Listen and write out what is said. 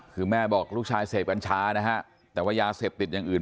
คือแม่บอกลูกชายเสพกัญชานะฮะแต่ว่ายาเสพติดอย่างอื่น